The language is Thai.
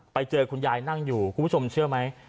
ไปเจอคุณยายนั่งอยู่คุณผู้ชมเชื่อไหม